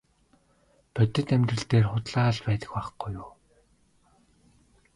Бодит амьдрал дээр худлаа л байдаг байхгүй юу.